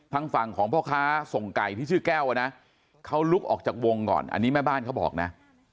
ทางฝั่งของพ่อค้าส่งไก่ที่ชื่อแก้วนะเขาลุกออกจากวงก่อนอันนี้แม่บ้านเขาบอกนะ